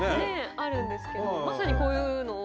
あるんですけどまさにこういうのを。